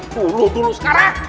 dulu dulu sekarang